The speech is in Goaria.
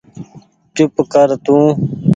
چوپ ڪر تو